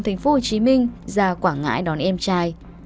thành phố hồ chí minh ra quảng ngãi đón em trai